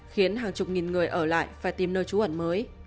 khiến hàng chục nghìn người ở lại phải tìm nơi trú ẩn mới